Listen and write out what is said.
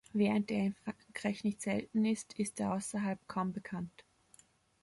Während er in Frankreich nicht selten ist, ist er außerhalb kaum bekannt.